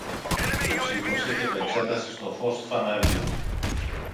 Το σήκωσε και το εξέτασε στο φως του φαναριού.